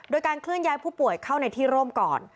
โดยการเคลื่อนย้ายผู้ป่วยเข้าในที่ร่มก่อน